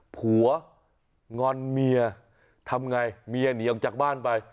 ผัวงอนเมียทำไงเมียหนีออกจากบ้านไป